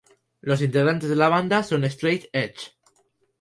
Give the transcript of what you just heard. Los integrantes de la banda son Straight edge.